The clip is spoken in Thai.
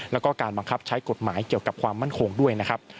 แล้วก็การบังคับใช้กฎหมายเกี่ยวกับความมั่นคงด้วยนะครับ